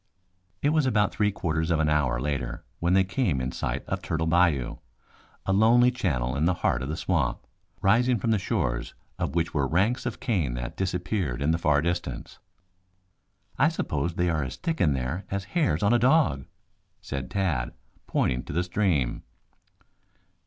It was about three quarters of an hour later when they came in sight of Turtle Bayou, a lonely channel in the heart of the swamp, rising from the shores of which were ranks of cane that disappeared in the far distance. "I suppose they are as thick in there as hairs on a dog?" said Tad, pointing to the stream.